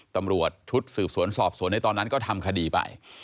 ตำรวจชุดสืบสวนสอบสวนในตอนนั้นก็ทำคดีไป